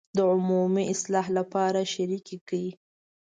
د عمومي اصلاح لپاره شریکې کړي.